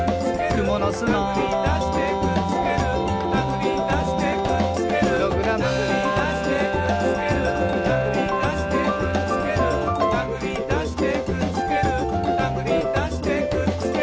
「くものすの」「たぐりだしてくっつける」「たぐりだしてくっつける」「プログラム」「たぐりだしてくっつける」「たぐりだしてくっつける」「たぐりだしてくっつけるたぐりだしてくっつける」